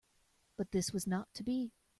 But this was not to be.